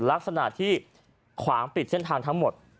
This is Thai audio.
ลักษณะที่ขวางปิดเส้นทางทั้งหมด